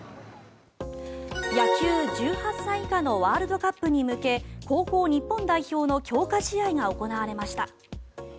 野球１８歳以下のワールドカップに向け高校日本代表の強化試合が行われました。